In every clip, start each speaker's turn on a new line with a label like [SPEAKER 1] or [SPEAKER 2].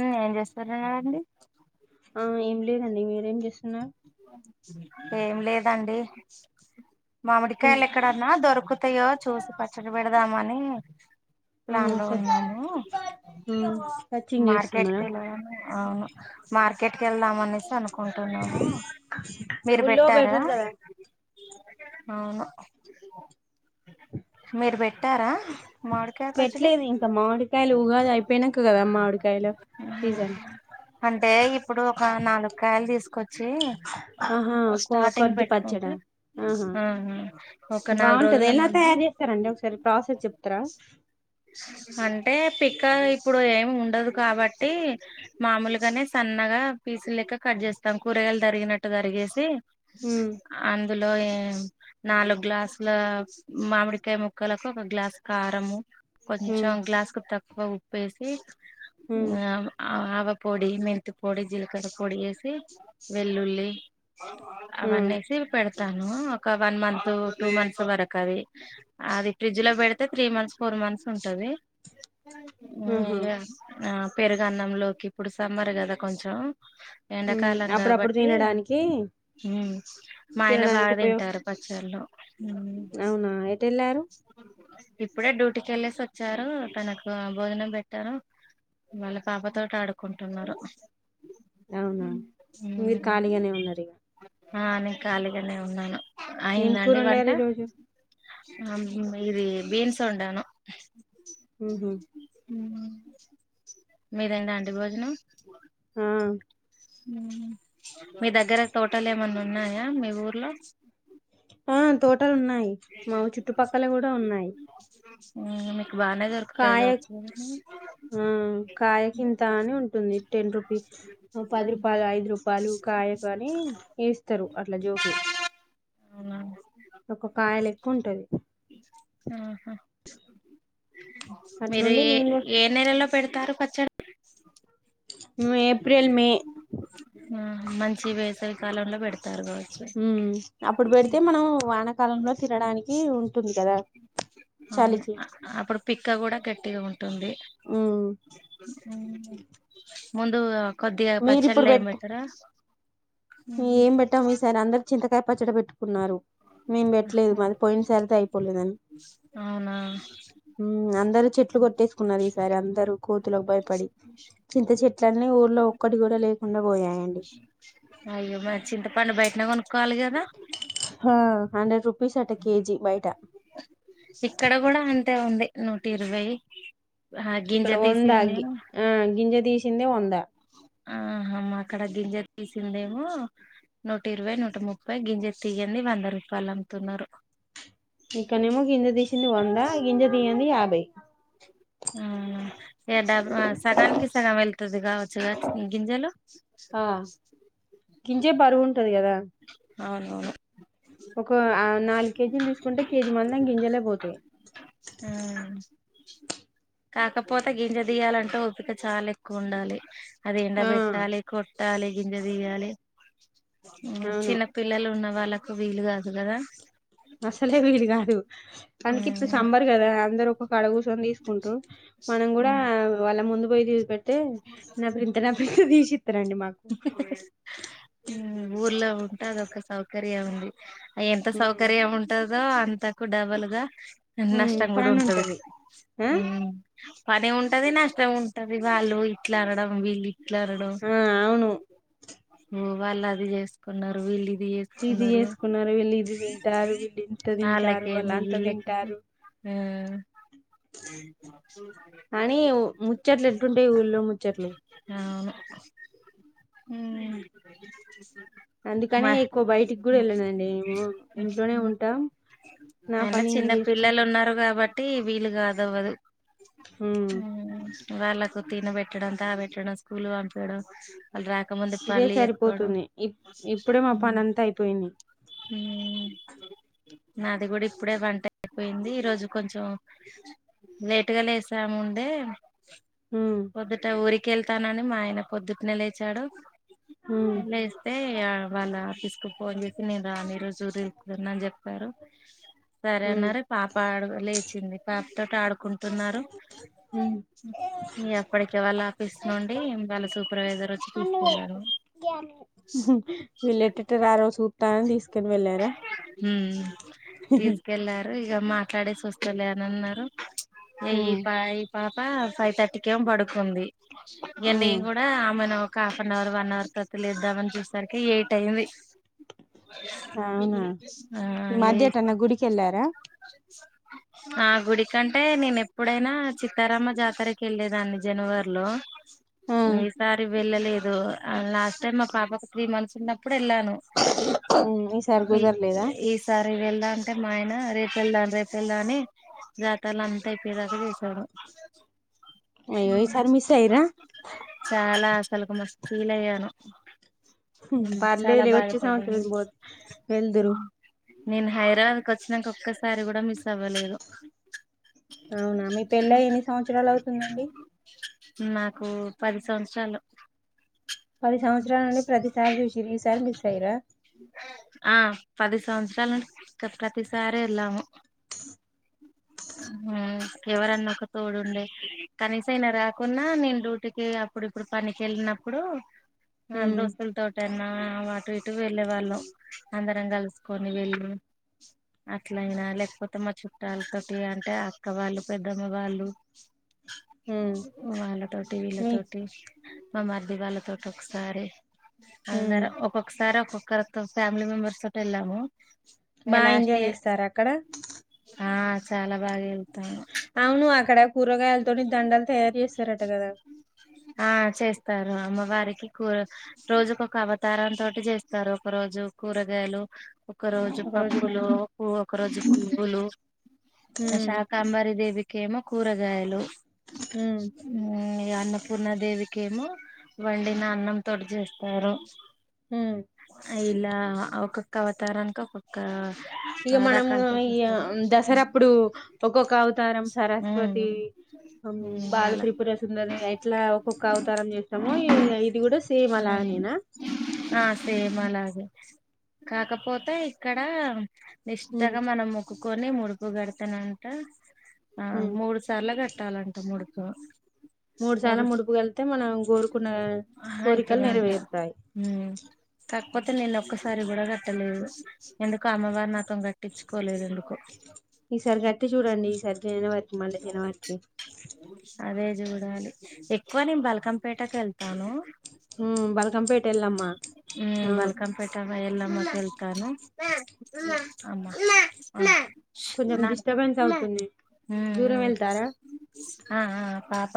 [SPEAKER 1] ఏం చేస్తారన్నండి
[SPEAKER 2] హాయ్ ఏం లేదండి మీరు ఏం చేస్తున్నారు
[SPEAKER 1] ఏం లేదండి
[SPEAKER 2] తిన్
[SPEAKER 1] మామిడికాయలు ఎక్కడన్నా దొరక దక్కుతాయో చూసి పచ్చడి పెడదామని
[SPEAKER 2] ఆ
[SPEAKER 1] ప్లాన్ లో
[SPEAKER 2] స
[SPEAKER 1] ఉన్నాముూ
[SPEAKER 2] సర్చింగ్ చేస్తున్నారా
[SPEAKER 1] మార్కెట్కిలా అవును మార్కెట్ ఇక్కటికిళ్దాం అనేసి అనుకుంటా
[SPEAKER 2] బుల్లో బెఠన గ
[SPEAKER 1] అవును మీరు పెట్టారా మామిడికాయ పచ్చడి
[SPEAKER 2] పెట్టలేదు ఇంకా మామిడికాయలు ఉగాది అయిపోయినాక కదా మామిడికాయలు
[SPEAKER 1] ఉహు.
[SPEAKER 2] సీజన్
[SPEAKER 1] అంటే ఇప్పుడు ఒక నాలుగు కాయలు తీసుకు కొచ్చి
[SPEAKER 2] ఆహా కొ
[SPEAKER 1] స్టార్టింగ్
[SPEAKER 2] కొద్ది
[SPEAKER 1] పెట్టుకుంటే
[SPEAKER 2] పచ్చడా ఆహా
[SPEAKER 1] ఒక ఆ నాలుగు
[SPEAKER 2] బాగుంటది
[SPEAKER 1] రోజులు
[SPEAKER 2] ఎలా
[SPEAKER 1] మందం
[SPEAKER 2] తయారు చేస్తారండి ఒకసారి ప్రాసెస్ చెప్తారా
[SPEAKER 1] అంటే పి ఇంకా ఇప్పుడు ఏమి ఉండదు కాబట్టి మామూలుగానే సన్నగా పీసులు లెక్క కట్ చేస్త కకూరయలు తరిగినట్టుగా దరిగేసి అం
[SPEAKER 2] ఉమ్
[SPEAKER 1] అందులో ఏ నాలుగు గ్లాసుల మామిడికాయ ముక్కలకు ఒక గ్లాసు కారము
[SPEAKER 2] ఉమ్
[SPEAKER 1] కొంచం గ్లాస్కు తక్కువ ఉ వేసి
[SPEAKER 2] ఉమ్
[SPEAKER 1] ఆ ఆవ పొడి మెంతి పొడి జీలక్ర పొడి వేసి వెల్లుల్లీ
[SPEAKER 2] ఉమ్
[SPEAKER 1] అవన్నేసి పెడతాను ఒక వన్ మంత్ టూ మంత్స్ వరకు అది అది ఫ్రిడ్జ్ లో పెడితే త్రీ మంత్స్ ఫోర్ మంత్స్ ఉంటంది
[SPEAKER 2] ఆహా
[SPEAKER 1] ఆ పెరుగ అన్నంలోకి ఇప్పుడు సమ్మరు కదా కొంచెం
[SPEAKER 2] ఉమ్
[SPEAKER 1] కాలం
[SPEAKER 2] అప్పుడప్పుడు
[SPEAKER 1] కాబట్టి
[SPEAKER 2] తినడానికి
[SPEAKER 1] మా ఆయన
[SPEAKER 2] తినడానికి
[SPEAKER 1] బాగా
[SPEAKER 2] ఉపయోగ
[SPEAKER 1] తింటారు పచ్చళ్ళు
[SPEAKER 2] అవునా ఎటెల్లారు
[SPEAKER 1] ఇప్పుడే డ్యూటీకి వెళ్ళసి వచ్చారు తనకు భోజనం పెట్టారు వాళ్ళ పాప తోటి ఆడుకుంటున్నారు
[SPEAKER 2] అవునా మీరు ఖాళీగానే ఉన్నారు ఇగ
[SPEAKER 1] ఆ నే ఖాళీగానే ఉన్నాను
[SPEAKER 2] ఏం కూర
[SPEAKER 1] అయిందండి వంట
[SPEAKER 2] వండారు ఈ రోజు
[SPEAKER 1] ఇది బీన్స్ ఒండాను
[SPEAKER 2] మ్హ్
[SPEAKER 1] మీదైందాండి భోజనం
[SPEAKER 2] ఆ
[SPEAKER 1] మ్ మీ దగ్గర తోటలు ఏమన్నా ఉన్నాయా మీ ఊర్లో
[SPEAKER 2] ఆ తోటలు ఉన్నాయి మా చుట్టుపక్కల కూడా ఉన్నాయి
[SPEAKER 1] ఆ
[SPEAKER 2] కాయ ఆ కాయకి ఇంత అని ఉంటుంది టెన్ రూపీ పది రూపాయలు ఐదు రూపాయలు కాయ కా అని వేస్తారు అట్లా జోక
[SPEAKER 1] అవునా
[SPEAKER 2] కాయలు ఎక్కువ ఉంటది
[SPEAKER 1] ఆహా మీరు
[SPEAKER 2] అట్లుండి
[SPEAKER 1] ఏ
[SPEAKER 2] మేము కూడా
[SPEAKER 1] ఏ నెలలో పెడతారు పచ్చడి
[SPEAKER 2] మేము ఏప్రిల్ మే
[SPEAKER 1] ఆ మంచి వేసవి కాలంలో పెడతారు కావచ్చు
[SPEAKER 2] ఉ అప్పుడు పెడితే మనం వానకాలంలో తినడానికి ఉంటు
[SPEAKER 1] అ అప్పుడు పిక్క కూడా గట్టిగా ఉంటుంది
[SPEAKER 2] ఉమ్
[SPEAKER 1] ముందు కొద్దిగా పచ్చళ్ళ
[SPEAKER 2] మీరిప్పుడు
[SPEAKER 1] ఏం
[SPEAKER 2] పెట్ట
[SPEAKER 1] పెట్టార
[SPEAKER 2] ఏం పెట్టాం ఈసారి అందరు చింతకా పచ్చట పెట్టుకున్నారు మేం పెట్టలేదు మాది పోయిన సరితే అయిపోలేదడి
[SPEAKER 1] అవునా
[SPEAKER 2] అందరు చెట్లు కొట్టేసుకున్నారు ఈసారి అందరుూ కోతులోలకు భయపడి చింత చెట్ని ఊ లో ఒక ఒక్కటి కూడా లేకుండా పోయాయండి
[SPEAKER 1] అయ్యో మ చింతపండు బయటనే కొనుక్కోవాలి కదా
[SPEAKER 2] హండ్రెడ్ రుపీస్ అట్ట కేజీ బయట
[SPEAKER 1] ఇక్కడ కూడా అంతే ఉంది నూటి ఇరవై ఆ గింజ
[SPEAKER 2] ఇక్కడ ఒందగి
[SPEAKER 1] తీసిందేమో
[SPEAKER 2] ఆ గింజ దీస చిన్న వందా
[SPEAKER 1] ఆహమ్మా అక్కడ గింజ తీసిందేమో నూట ఇరవై నూట ముప్పై గింజ తీగింది వంద రూపాయలు అమ్ముతున్నారు
[SPEAKER 2] ఇక్కనేమో గింజ తీసింది వంద గింజ తీయండి యాభై బయి
[SPEAKER 1] ఆ ఇ డబ్బ సగానికి సగం వెళ్తుది కావచ్చు గింజలు
[SPEAKER 2] కింజే బరు ది కదా
[SPEAKER 1] అవునవును
[SPEAKER 2] ఒక నాలుగు కేజీలు తీసుకుంటే కేజీ మళ్ గింజలే పోతాయి
[SPEAKER 1] ఆ కాకపోతే గింజ దియాలంటే పిక చాలా ఎక్కువ ఉండాలి అదేం
[SPEAKER 2] ఆ
[SPEAKER 1] పెట్టాలి కొ తాలే గింజదియాలే
[SPEAKER 2] అవును
[SPEAKER 1] చిన్నపిల్లలు ఉన్న వాళ్ళక్ వీలు కాదు కదా
[SPEAKER 2] అసలే విలుకాదు తనికి ఇప్పుడు సమ్మర్ కదా అందరు ఒక పడవుస్ తీసుకుంట్రూ మనం కూడా వాళ్ళ ముందు [unintelligible] తే నప్రింత నప్రింత తీషిన్రు
[SPEAKER 1] ఊర్లో ఉంటే అది ఓ క సౌకర్యం ఎంత
[SPEAKER 2] ఉమ్,
[SPEAKER 1] సౌకర్యం ఉంటది ఓ అంతకు డబుల్గా
[SPEAKER 2] ఉమ్,
[SPEAKER 1] నష్టాంగుడా
[SPEAKER 2] పని
[SPEAKER 1] ఉంటది
[SPEAKER 2] ఆ
[SPEAKER 1] పని ఉంటది నష్టం ఉంటది వాళ్ళు ఇట్లా అనడం వీల్ ఇట్ల అనడం
[SPEAKER 2] ఆ అవును
[SPEAKER 1] ఓ వాళ్ళు అది చేసుకున్నారు వీళ్ళు ఇ
[SPEAKER 2] ఇది చేసుకున్నారు విళ్ళు ఇది చేస్ టారు వీళ్ళు ఇంత తింటాన్రు వాళ్ళు అంత తింటాన్రు అని
[SPEAKER 1] ఊ
[SPEAKER 2] ముచ్చట్లు ఎట్లుంటాయి ఊళ్ళో ముచ్చట్లు
[SPEAKER 1] అవును ఉహ్
[SPEAKER 2] అందుకనే ఎక్కువ బయటికి కూడా వెళ్ళనండి మేము ఇంట్లోనే ఉంటాం నా
[SPEAKER 1] అయినా
[SPEAKER 2] పని నే
[SPEAKER 1] చిన్న పిల్లలు
[SPEAKER 2] చేసుకుంటా
[SPEAKER 1] ఉన్నారు కాబ్ బట్టి వీలు కాదవ్వదు ఉహ్ వాళ్ళలకు తినబెట్టడం తాగబెట్టడం స్కూల్ పంపియడం
[SPEAKER 2] ఇదే సరిపోతుంది ఇ ఇప్పుడే మా పనంతా అయిపోయింది
[SPEAKER 1] ఉమ్ నాది కూడా ఇప్పుడే వంట అయిపోయింది ఈ రోజు కొంచెం లేటుగా లేసామ్ముండే
[SPEAKER 2] హ్మ్
[SPEAKER 1] పొద్దుటే ఊరి కెళ్తానని మా ఆయన పొద్దున్నే లేచాడు
[SPEAKER 2] హ్మ్
[SPEAKER 1] లేస్తే వాళ్ళ ఆఫీస్ పో రానిరుజు ఉందని చెప్పారు సరే
[SPEAKER 2] హ్మ్
[SPEAKER 1] అన్నారుార పాప ఆడు లేచింది పాప ఆడుకుంట
[SPEAKER 2] హ్మ్
[SPEAKER 1] ఎప్పటిక వాళ్ళ ఆఫీస్ నుండి వాళ్ళ సూపర్వైజర్ వచ్చి తీూసున్నారుారు
[SPEAKER 2] వీళ్ళు ఎటెట రారో చూత్తానని తీసుకొని వెళ్ళారా
[SPEAKER 1] హ తీసుకెళ్లారు ఇక మా కడే స లేనిన్నారు అ ఈ
[SPEAKER 2] హ్మ్
[SPEAKER 1] పా ఈ పా ప్ప ఫైవ్ థర్టీ కం పడుకుంది ఇక
[SPEAKER 2] హ్మ్
[SPEAKER 1] నేను కూడా ఆమెను half an hour one hour తలుపులేదాం అని చూసే సరికీ ఎయిట్ అయింది
[SPEAKER 2] అవునా
[SPEAKER 1] ఆ
[SPEAKER 2] ఈ మధ్య
[SPEAKER 1] లేసి
[SPEAKER 2] ఎటన్నా గుడికి వెళ్ళారా
[SPEAKER 1] ఆ గుడికంటే నేను ఎప్పుడైనా చిత్తారామ జాతరకు వెళ్లేదాన్ని జనవరిలో
[SPEAKER 2] ఆ
[SPEAKER 1] ఈ సారి వెళ్ళలేదు లాస్ట్ టైమ్ మా పాపకు త్రీ మంత్స్ ఉన్నప్పుడు ఎళ్ళాను
[SPEAKER 2] హ్మ్ ఈసారి
[SPEAKER 1] ఈ
[SPEAKER 2] కుదరలేదా
[SPEAKER 1] ఈసారి వెళ్దాం అంటే మా ఆయన రే రేప్ వెళ్దాం రేపు వెళ్దాం అనీ జాతర అంతా అయిపోదాకా చూసాడు
[SPEAKER 2] అయ్యో ఈసారి మిస్ అయ్యిర్రా
[SPEAKER 1] చాలా అసలు మస్తు ఫీల్ అయ్యాను [inaudible]
[SPEAKER 2] పర్లేదు
[SPEAKER 1] చాలా
[SPEAKER 2] లే వచ్చే సంవత్సరం
[SPEAKER 1] బాధపడ్డాను
[SPEAKER 2] వెల్ వెల్దురు
[SPEAKER 1] నేను హైదరాబాద్ కు వచ్చినంక ఒక్కసారి కూడ మిస్ అవ్వలేదు
[SPEAKER 2] అవునా మీ పెళ్లై ఎన్ని సంవత్సరాలు అవుతుందండి
[SPEAKER 1] నాకూ పది సంవత్సరాలు
[SPEAKER 2] పది సంవత్సరాల నుండి ప్రతిసారి చూసింరు ఈసారి మిస్ అయ్యిన్రా
[SPEAKER 1] ఆ పది సంవత్సరాలు ను ప్రతిసారి ఎళ్ళాము ఎవరన్నా ఒకరు తోడుండే కనీసం అయినా రాకున్నా నేను డ్యూటీకి అప్పుడు ఇప్పుడు పనికి వెళ్ళినప్పుడూ ఆ
[SPEAKER 2] హ్మ్
[SPEAKER 1] దోసలు తో టైం ఆ ఆమె అటు ఇటు వెళ్ళేవాళ్ళం అందరం కలుసుకొని వెళ్ళి అట్లయినా లేకపోతే మా చుట్టాలతోటి అంటే అక్క వాళ్ళు పెద్దమ్మ వాళ్ళు
[SPEAKER 2] హ్మ్
[SPEAKER 1] వాళ్ళ తోటి
[SPEAKER 2] మీ
[SPEAKER 1] వీళ్ళతోటి మా మర్ది వాళ్ళతో ఒక్కకొక్కసారి
[SPEAKER 2] హ్మ్
[SPEAKER 1] అందరు ఒక్కొక్కసారి ఒక్కొక్క ఒకరకం ఫ్యామిలీ మెంబర్స్ తోటి ఎల్లామూ
[SPEAKER 2] బా ఎంజాయ్ చేస్తార అక్కడ
[SPEAKER 1] ఆ చాలా బాగా వెళ్తాము
[SPEAKER 2] అవును అక్కడ కూరగాయలతోటీ దండల్
[SPEAKER 1] ఆ చేస్తారు అమ్మ వారికి కూర రోజుకొక అవతారం తోటి చేస్తారు ఒక రోజు కూరగాయలు ఒక రోజు
[SPEAKER 2] ఒకరోజు
[SPEAKER 1] పప్పులు ఒక రోజు పువ్వులు
[SPEAKER 2] ఉమ్
[SPEAKER 1] శాకాంబరి దేవి కేమో కూరగాయలు ఉమ్ ఇగ అన్నపూర్ణ దేవి కేమో వండిన అన్నం తోటి చేస్తారు
[SPEAKER 2] ఉమ్
[SPEAKER 1] ఇలా ఒక్కక్ కవతారాన్ ఒక్కొక్క
[SPEAKER 2] ఇక మనము
[SPEAKER 1] రకాలతో
[SPEAKER 2] ఈ
[SPEAKER 1] చేస్తారు
[SPEAKER 2] దసరాప్పుడు ఒక్కొక్క అవతారం
[SPEAKER 1] ఉమ్
[SPEAKER 2] సరస్వతి
[SPEAKER 1] ఉమ్
[SPEAKER 2] బాల
[SPEAKER 1] అలా
[SPEAKER 2] త్రిపుర స ఉందరి ఎట్లా ఒక్కొక్క అవతారం చేస్తామో ఇది కూడా సేమ్ అలా
[SPEAKER 1] ఉమ్
[SPEAKER 2] నేనా
[SPEAKER 1] ఆ సేమ్ అలాగే కాకపోతే ఇక్కడ
[SPEAKER 2] ఉమ్
[SPEAKER 1] నిష్టాగా మనముకు కునే ముడుపు గడతానంట ఆ
[SPEAKER 2] ఉమ్
[SPEAKER 1] మూడు సార్లు కట్టాల ముడుకు
[SPEAKER 2] మూడు సార్లు ముడుపుక వెళ్తే మనం కోరుకున్న కోరికలు
[SPEAKER 1] అయితదంట
[SPEAKER 2] నెరవేరుతాయి
[SPEAKER 1] సరి కూడా కట్టలేదు ఎందుకో అమ్మవారు నాకం కట్టించుకోలేదు ఎందుకో
[SPEAKER 2] ఈసారి కట్టి చూడండి ఈసారి జనవరి మళ్ళ జనవరికి
[SPEAKER 1] అదే చూడాలి ఎక్కువ నే బ ల్కంపేటకిల్తాను
[SPEAKER 2] ఉమ్ బల్కంపేట ఎల్లమ్మ
[SPEAKER 1] ఉమ్
[SPEAKER 2] అవును
[SPEAKER 1] బాల్కంపేట ఎ మ వెళ్తాను మా అమ్మ అమ్మ నా
[SPEAKER 2] కొంచెం
[SPEAKER 1] ఉమ్
[SPEAKER 2] డిస్టర్బెన్స్ అవుతుంది దూరం
[SPEAKER 1] ఉమ్
[SPEAKER 2] వెళ్తారా
[SPEAKER 1] ఆ ఆ పాప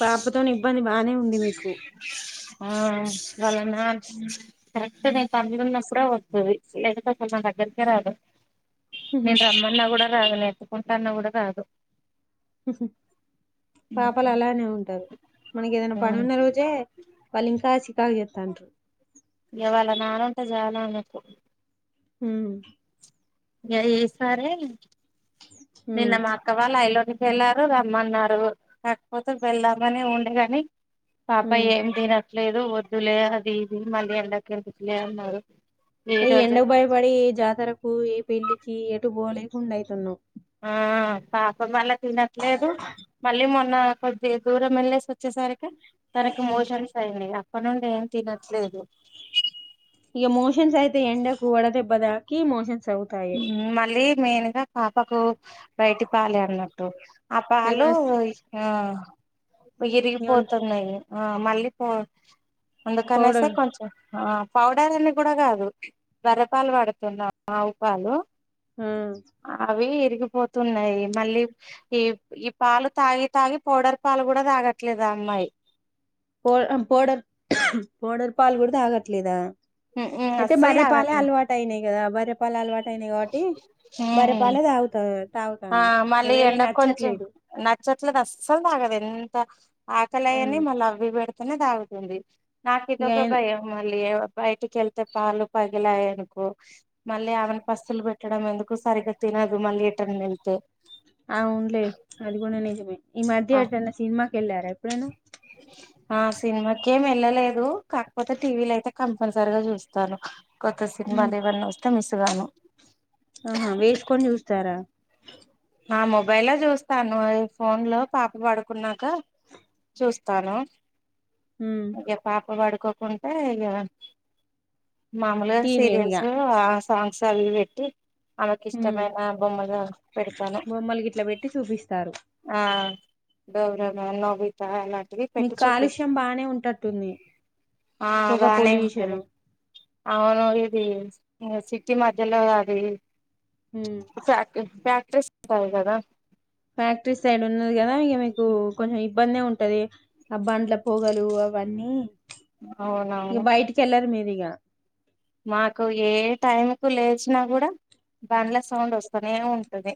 [SPEAKER 2] పాపతోని ఇబ్బంది బానే ఉంది మీకు
[SPEAKER 1] ఆ వాళ నాన్ కరెక్ట్ నేను పడుకున్నప్పుడే వస్తది లేకుంటే నా దగ్గరికే రాదు నేను రమ్మన్నా గుడా రాదు ఎత్తు కుంటన్న కూడా రాదు
[SPEAKER 2] పాపలు అలానే ఉంటరు మనకి ఏదైనా పనున్న రోజే వాలిన్ కాసి కావి చేతండ్రు
[SPEAKER 1] ఇక వాళ నానుంటే చాలు ఆమెకు
[SPEAKER 2] హుమ్
[SPEAKER 1] గరి ఏస్తరే నిన్న
[SPEAKER 2] హ్మ్
[SPEAKER 1] మాక్కవాళ ఐలోని వెళ్లారు రమ్మన్నారు కాకపోతే వెళ్దామని ఉండగానే పాప
[SPEAKER 2] హ్మ్
[SPEAKER 1] ఏమ్ తినదు లేదు వద్దులే అది ఇది మళ్ళీ ఎండకి ఎందుక్ లే అన్నారు ఈ
[SPEAKER 2] ఏ
[SPEAKER 1] రోజు
[SPEAKER 2] ఎండకు భయపడి ఏ జాతరకు ఏ పెళ్లి ఎటు బోలేకుండ అయితున్నాం
[SPEAKER 1] ఆ పాపం వాలక్ తినట్లేదు మళ్ళీ మొన్న కొద్ది దూర మెళ్లి వచ్చే సరికి తనకి మోషన్స్ అయినాయి కొన్నాళ్ళు ఏం తినట్లేదు
[SPEAKER 2] ఇక మోషన్స్ అయితే ఎండకు వడదెబ్బ దాకీ మోషన్స్ అవుతాయి
[SPEAKER 1] మళ్ళీ మెయిన్ గా పాపకు బయటి పాలి అన్నట్టు అప్ప హాలో
[SPEAKER 2] ఏమైనా
[SPEAKER 1] ఇ ఆ
[SPEAKER 2] ఏమన్నా
[SPEAKER 1] ఇరిగిపోతున్నాయి ఆ మళ్ళీ పోన్ అందుకనేసి
[SPEAKER 2] పౌడర్
[SPEAKER 1] కొంచెం ఆ పౌడర్ అని కూడా కాదు బర్రెపాలు పడుతున్నాం వాలు
[SPEAKER 2] ఆ
[SPEAKER 1] అవీ తరిగిపోతున్నాయి మళ్ళీ ఈ ఈ పాలు తాగి తాగి పౌడర్ పాలు కూడా తాగట్లేదా అమ్మాయి
[SPEAKER 2] పో పౌడర్ ఉహ్ పోడర్ పాలు కూడా తాగట్లేదా అయితే
[SPEAKER 1] అస్సలు
[SPEAKER 2] బర్రె పాలె
[SPEAKER 1] తాగట్లే
[SPEAKER 2] అల్వాట్ అయినయి కదా బర్ పలాల్ గావటి బర్రె పాలే దావుత
[SPEAKER 1] ఆ మళ్ళీ ఎండకు కొంచెం నచ్చట్లేదు అస్సలు తాగదు ఎంత
[SPEAKER 2] ఉమ్
[SPEAKER 1] ఆకలియని మళ్ళీ అవ్వి వెడుత అనే తాగుతుంది నాకితో
[SPEAKER 2] ఇగ
[SPEAKER 1] క భయం అ మల్లీ బయటికి ఎళ్తే పాలు పగిలాయనుకో మళ్ళీ ఆమెను పస్తులు పెట్టడం ఎందుకు సరిగ్గా తినదు మళ్ళీ ఇటని మ తె
[SPEAKER 2] అవున్లేదు అది గూడ నిజమే ఈ మధ్య ఎటన్న సినిమా ఎళ్లార ఎప్పుడనా
[SPEAKER 1] ఆ సినిమాకేం ఎళ్ళలేదు కాకపోతే టీవీలు అయితే కంపల్సరీగా చూస్తాను కొత్త సినిమా లే వన్నా ఒస్తె గాను
[SPEAKER 2] ఆహా వేసుకొని చూస్తారా
[SPEAKER 1] ఆ మొబైల్లో చూస్తాను అ ఫోన్ లో పాప పడుకున్నాక చూస్తాను
[SPEAKER 2] ఉమ్
[SPEAKER 1] అకే పాప పడు ఒక్క కొంటె ఇగ మామూలుగా
[SPEAKER 2] టీవీ ఇగ
[SPEAKER 1] సీరియల్స్ ఆ సాంగ్స్ అవి వెట్టి అమెకి
[SPEAKER 2] ఉమ్
[SPEAKER 1] ఇష్టమైన బొమ్మగా పెడు
[SPEAKER 2] బొమ్మలు గిట్లా పెట్టి చూపిస్తారు
[SPEAKER 1] ఆ గౌరవ నోబిత అలా
[SPEAKER 2] మీకు కాలుష్యం బానే ఉంటట్టుంది
[SPEAKER 1] ఆ
[SPEAKER 2] పొగ
[SPEAKER 1] బానే
[SPEAKER 2] పొల్యూషన్
[SPEAKER 1] ఉంటది అవును ఇది సిటీ మధ్యలో అది
[SPEAKER 2] ఉమ్
[SPEAKER 1] చాక్ ఫ్యాక్ట్రీ సయి కదా
[SPEAKER 2] ఫ్యాక్టరీ సైడ్ ఉన్నది కదా ఇగ మీకు కొంచెం ఇబ్బంది ఉంటది ఆ బంల పొగలు అవన్నీ ఇక
[SPEAKER 1] అవునవును
[SPEAKER 2] బయట్కెల్లర్ మీరు గ
[SPEAKER 1] మాకు ఏ టైం కు లేచినా కూడా బండ్ల సౌండ్ ఒస్తనే ఉంటుంది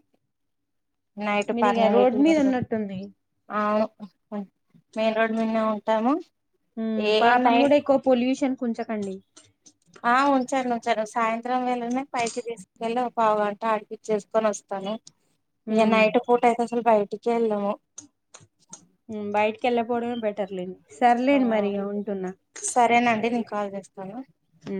[SPEAKER 1] నయిట్
[SPEAKER 2] మీరు ఇగ
[SPEAKER 1] పన్నెం
[SPEAKER 2] రోడ్ మీద ఉన్నట్టుంది
[SPEAKER 1] అవును మెయిన్ రోడ్ మీన్నే ఉన్ తము
[SPEAKER 2] పాపను కూడా ఎక్కువ పొల్యూషన్ కుంచకండి
[SPEAKER 1] ఆ ఉంచండి ఉంచాను సాయంత్రం వేళనే పైకి తీసుకుకెళ్ళి ఒక పావుగంట ఆడిపిచ్చేసుకొని వస్తాను ఇగ
[SPEAKER 2] ఉమ్
[SPEAKER 1] నైట్ పుటైతే అసలు భయత్ [unintelligible]
[SPEAKER 2] బయటికి వెళ్లకపోవడమే బెట్ ర్లేండి
[SPEAKER 1] ఆ
[SPEAKER 2] సర్లేండి మరి ఉంటున్నా
[SPEAKER 1] సరేనండి నేను కాల్ చేస్తా
[SPEAKER 2] అ